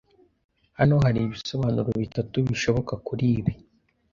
Hano haribisobanuro bitatu bishoboka kuri ibi